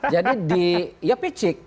jadi di ya picik